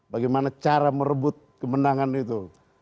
bagaimana cara merebut kemenangan itu